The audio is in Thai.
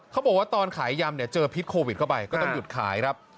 เขาบอกว่าตอนขายยำเนี่ยเจอพิษโควิดเข้าไปก็ต้องหยุดขายครับ